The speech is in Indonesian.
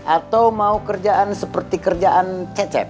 atau mau kerjaan seperti kerjaan cecep